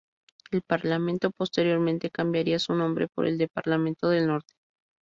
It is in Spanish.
El Parlamento posteriormente cambiaría su nombre por el de Parlamento del Norte.